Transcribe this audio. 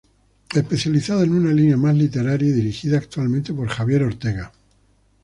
Especializada en una línea más literaria y dirigida actualmente por Javier Ortega.